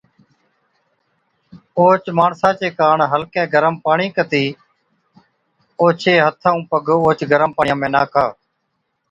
اوهچ ماڻسا چي ڪاڻ هلڪَي گرم پاڻِي ڪتِي اوڇي هٿ ائُون پگ اوهچ گرم پاڻِيان ۾ ناکا۔